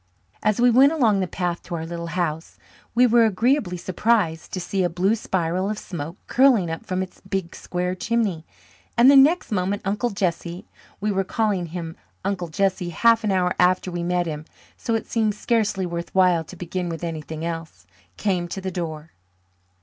As we went along the path to our little house we were agreeably surprised to see a blue spiral of smoke curling up from its big, square chimney, and the next moment Uncle Jesse (we were calling him Uncle Jesse half an hour after we met him, so it seems scarcely worthwhile to begin with anything else) came to the door.